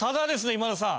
今田さん。